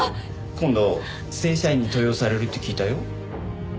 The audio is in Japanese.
今度正社員に登用されるって聞いたよ。